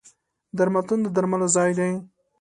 درملتون د درملو ځای دی.